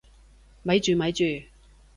咪住咪住！